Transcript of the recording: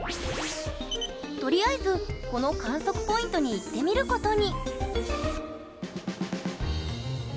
とりあえず、この観測ポイントに行ってみることに。